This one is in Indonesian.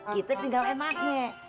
kita tinggal emaknya